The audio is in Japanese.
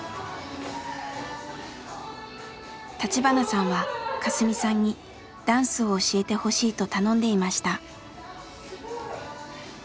橘さんはカスミさんにダンスを教えてほしいと頼んでいました。